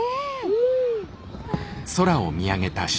うん。